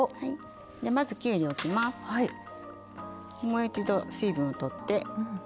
もう一度水分を取って。